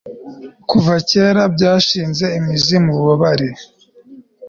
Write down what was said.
Kuva kera byashinze imizi mububabare